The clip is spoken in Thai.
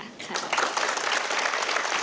ค่ะ